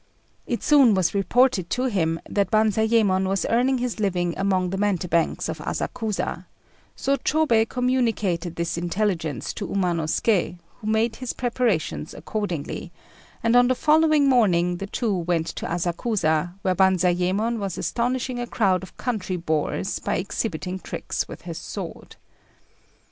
It soon was reported to him that Banzayémon was earning his living among the mountebanks of Asakusa; so Chôbei communicated this intelligence to Umanosuké, who made his preparations accordingly; and on the following morning the two went to Asakusa, where Banzayémon was astonishing a crowd of country boors by exhibiting tricks with his sword.